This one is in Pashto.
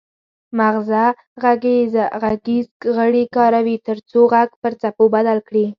مغزه غږیز غړي کاروي ترڅو غږ پر څپو بدل کړي